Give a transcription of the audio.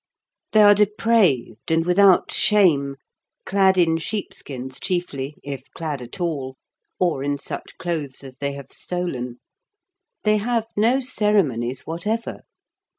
They are depraved, and without shame, clad in sheep skins chiefly, if clad at all, or in such clothes as they have stolen. They have no ceremonies whatever.